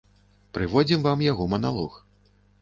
Прыводзім вам яго маналог.